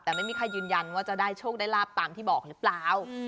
แต่ไม่มีใครยืนยันว่าจะได้โชคได้ลาบตามที่บอกหรือเปล่า